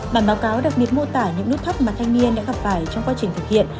bản báo cáo đặc biệt mô tả những nút thắt mà thanh niên đã gặp phải trong quá trình thực hiện